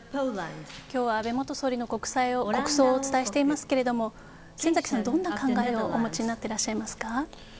今日は安倍元総理の国葬をお伝えしておりますけれども先崎さん、どんな考えをお持ちになっていますか？